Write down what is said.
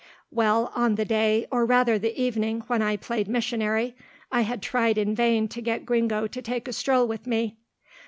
Well, on the day, or rather the evening when I played missionary, I had tried in vain to get Gringo to take a stroll with me.